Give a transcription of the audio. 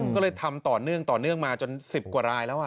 ก็เลยทำต่อเนื่องมาจน๑๐กว่ารายแล้ว